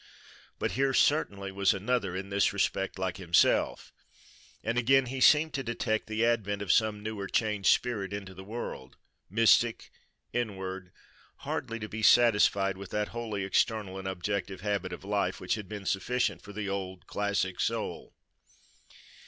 But here, certainly, was another, in this respect like himself; and again he seemed to detect the advent of some new or changed spirit into the world, mystic, inward, hardly to be satisfied with that wholly external and objective habit of life, which had been sufficient for the old classic soul.